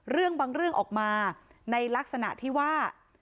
เรื่องบางเรื่องออกมาในลักษณะที่ว่า